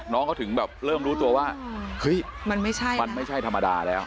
น้องเขาถึงแบบเริ่มรู้ตัวว่ามันไม่ใช่ธรรมดาแล้ว